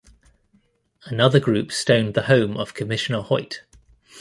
Another group stoned the home of commissioner Hoyt.